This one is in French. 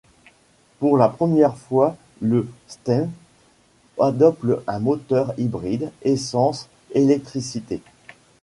Pour la première fois le Stepwgn adopte un moteur hybride essence-électricité.